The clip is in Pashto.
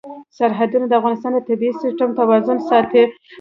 سرحدونه د افغانستان د طبعي سیسټم توازن ساتي.